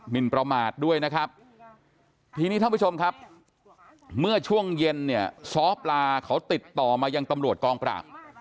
นประมาทด้วยนะครับทีนี้ท่านผู้ชมครับเมื่อช่วงเย็นเนี่ยซ้อปลาเขาติดต่อมายังตำรวจกองปราบ